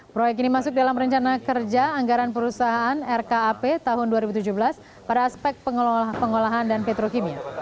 proyek ini masuk dalam rencana kerja anggaran perusahaan rkap tahun dua ribu tujuh belas pada aspek pengolahan dan petrokimia